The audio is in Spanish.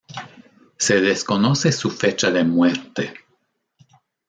Se desconoce su fecha de muerte.